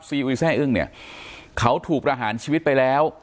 อุยแซ่อึ้งเนี่ยเขาถูกประหารชีวิตไปแล้ว